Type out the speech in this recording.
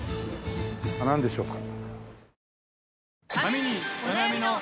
なんでしょうか。